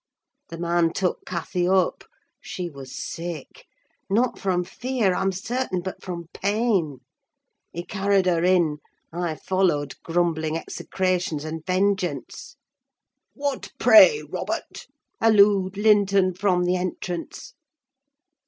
The man took Cathy up; she was sick: not from fear, I'm certain, but from pain. He carried her in; I followed, grumbling execrations and vengeance. 'What prey, Robert?' hallooed Linton from the entrance.